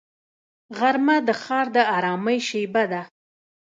غرمه د ښار د ارامۍ شیبه ده